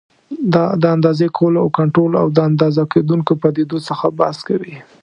دا د اندازې کولو او کنټرول او د اندازه کېدونکو پدیدو څخه بحث کوي.